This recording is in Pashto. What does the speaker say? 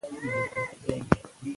اندورفین خپګان کموي.